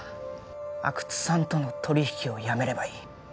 阿久津さんとの取引をやめればいい